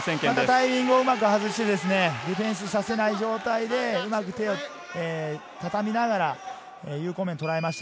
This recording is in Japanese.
タイミングをうまく外してディフェンスさせない状態で、うまくたたみながら有効面をとらえました。